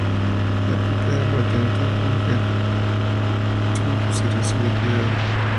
La pipa era, por tanto, objeto de culto y de máxima consideración y cuidado.